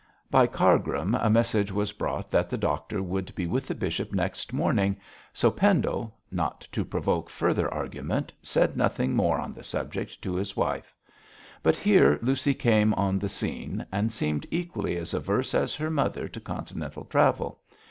By Cargrim a message was brought that the doctor would be with the bishop next morning, so Pendle, not to provoke further argument, said nothing more on the subject to his wife. But here Lucy came on the scene, and seemed equally as averse as her mother to Continental travel.